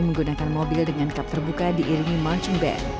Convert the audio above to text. menggunakan mobil dengan kap terbuka diiringi marching band